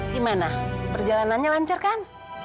gimana perjalanannya lancar kan